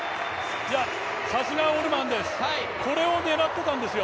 さすがオールマンです。